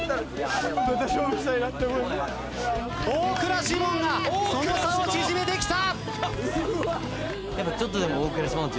大倉士門がその差を縮めてきた！